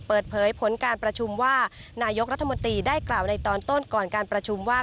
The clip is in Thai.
เปิดเผยผลการประชุมว่านายกรัฐมนตรีได้กล่าวในตอนต้นก่อนการประชุมว่า